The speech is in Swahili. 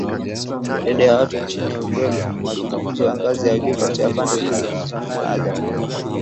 idadi ya watu nchini Ukraine huku mazungumzo ya ngazi ya juu kati ya pande zinazozozana hayajafanikiwa